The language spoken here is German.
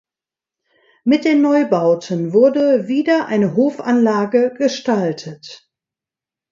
Mit den Neubauten wurde wieder eine Hofanlage gestaltet.